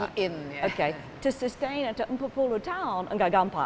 untuk menjaga dan menjaga puluh puluh tahun tidak mudah